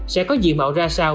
sẽ có gì mạo ra sao